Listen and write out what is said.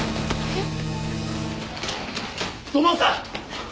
えっ？